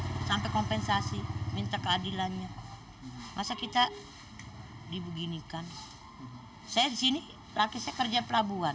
jadi ibu tetap memilih untuk tetap